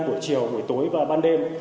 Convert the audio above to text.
buổi chiều buổi tối và ban đêm